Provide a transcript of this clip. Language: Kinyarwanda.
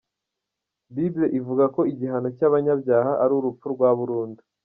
Bible ivuga ko igihano cy’abanyabyaha ari urupfu rwa burundu.